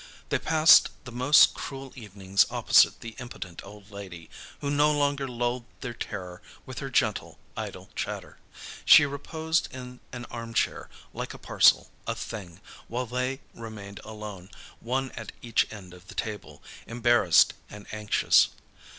They passed the most cruel evenings opposite the impotent old lady, who no longer lulled their terror with her gentle, idle chatter. She reposed in an armchair, like a parcel, a thing, while they remained alone, one at each end of the table, embarrassed and anxious.